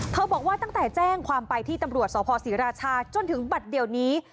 บอกว่าตั้งแต่แจ้งความไปที่ตำรวจสภศรีราชาจนถึงบัตรเดียวนี้